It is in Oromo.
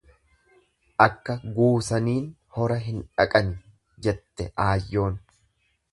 Akka guusaniin hora hin dhaqani jette aayyoon.